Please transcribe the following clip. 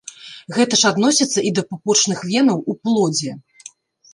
Гэта ж адносіцца і да пупочных венаў у плодзе.